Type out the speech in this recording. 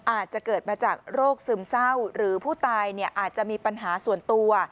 อาจจะเกิดมาจากโรคซึมเศร้าหรือผู้ตายอาจจะมีปัญหาส่วนตัว